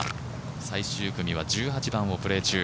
最終組は１８番をプレー中。